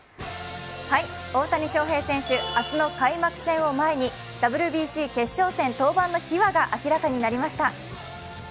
大谷翔平選手、明日の開幕戦を前にＷＢＣ決勝戦登板の秘話が明らかになりました。